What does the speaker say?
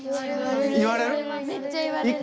言われる？